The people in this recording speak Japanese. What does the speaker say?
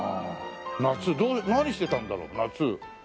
夏何してたんだろう？夏。